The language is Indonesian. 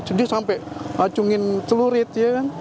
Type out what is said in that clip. jadi sampai acungin telurit ya